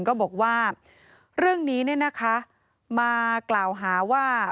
ก็บอกว่าเรื่องนี้มากล่าวหาว่า